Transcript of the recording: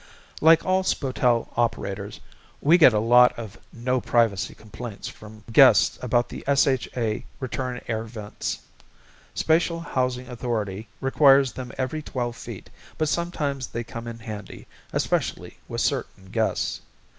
Like all spotel operators, we get a lot of No Privacy complaints from guests about the SHA return air vents. Spatial Housing Authority requires them every 12 feet but sometimes they come in handy, especially with certain guests.